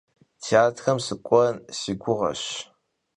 Têatrım sık'uen si guğeş.